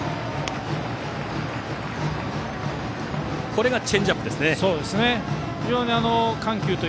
今のがチェンジアップですね。